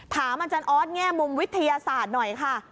ถามอาจารย์ออสแง่มุมวิทยาศาสตร์หน่อยค่ะ